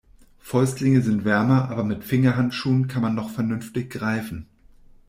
Fäustlinge sind wärmer, aber mit Fingerhandschuhen kann man noch vernünftig greifen.